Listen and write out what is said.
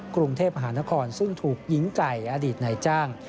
กรุงเทพมหานครซึ่งถูกหญิงไก่อดีตนายจ้าง